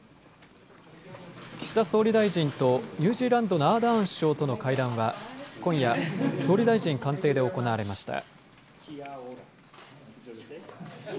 岸田総理大臣とニュージーランドのアーダーン首相との会談は今夜総理大臣官邸で行われました。